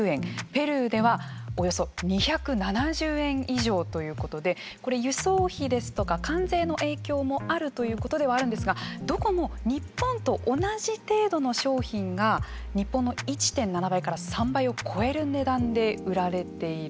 ペルーではおよそ２７０円以上ということでこれ、輸送費ですとか関税の影響もあるということではあるんですがどこも日本と同じ程度の商品が日本の１．７倍から３倍を超える値段で売られている。